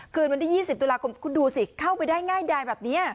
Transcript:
คืนวันดี๒๐ตุลาคมดูสิเข้าไปได้ง่ายใดแบบเนี้ย